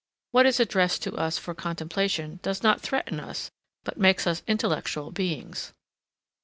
What is addressed to us for contemplation does not threaten us but makes us intellectual beings.